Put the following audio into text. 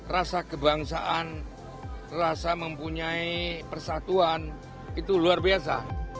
rasa kebangsaan rasa mempunyai persatuan itu luar biasa